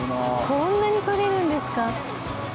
こんなにとれるんですか？